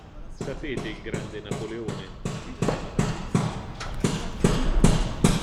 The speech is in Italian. Sapete il grande Napoleone.